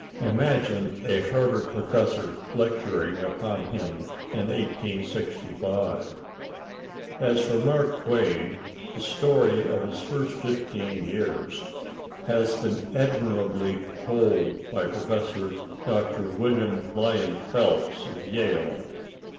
Imagine a Harvard professor lecturing upon him in 1865! As for Mark Twain, the story of his first fifteen years has been admirably told by Prof. Dr. William Lyon Phelps, of Yale.